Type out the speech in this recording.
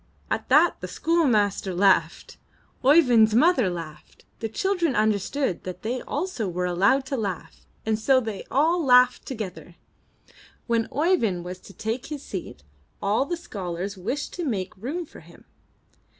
At that the schoolmaster laughed; Oey vind's mother laughed; the children understood that they also were allowed to laugh, and so they all laughed together. When Oeyvind was to take his seat, all the scholars wished to make room for him.